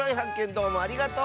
どうもありがとう！